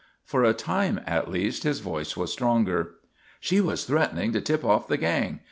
For a time at least his voice was stronger. "She was threatening to tip off the gang.